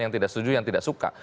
yang tidak setuju yang tidak suka